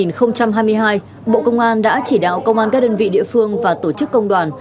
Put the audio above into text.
năm hai nghìn hai mươi hai bộ công an đã chỉ đạo công an các đơn vị địa phương và tổ chức công đoàn